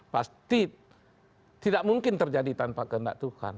pasti tidak mungkin terjadi tanpa kehendak tuhan